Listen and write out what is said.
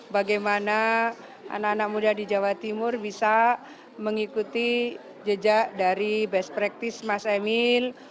bagaimana anak anak muda di jawa timur bisa mengikuti jejak dari best practice mas emil